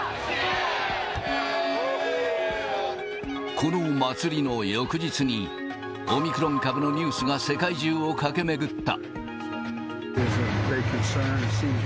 この祭りの翌日に、オミクロン株のニュースが世界中を駆け巡った。